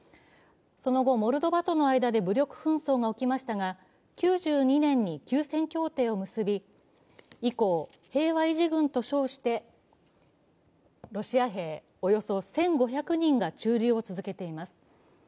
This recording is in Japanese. その後、モルドバとの間で武力紛争が起きましたが９２年に休戦協定を結び、以降、平和維持軍と称してロシア兵およそ１５００人が駐留を続けています。